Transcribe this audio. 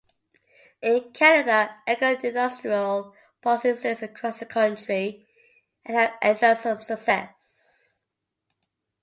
In Canada, eco-industrial parks exist across the country and have enjoyed some success.